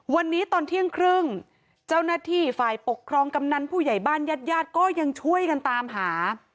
วันนี้ตอนเที่ยงครึ่งเจ้าหน้าที่ฝ่ายปกครองกำนันผู้ใหญ่บ้านญาติญาติก็ยังช่วยกันตามหา